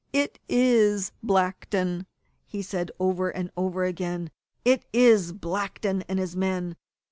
"It is Blackton!" he said over and over again. "It is Blackton and his men!